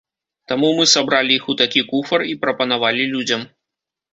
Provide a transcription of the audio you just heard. Таму мы сабралі іх у такі куфар і прапанавалі людзям.